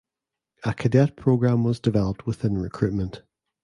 A cadet program was developed within recruitment.